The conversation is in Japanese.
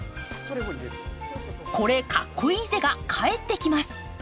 「これ、かっこイイぜ！」が帰ってきます。